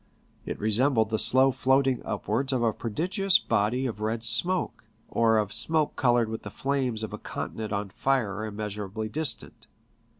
It resembled the slow floating upwards of a pro digious body of red smoke, or of smoke coloured with the flames of a continent on fire immeasurably distant.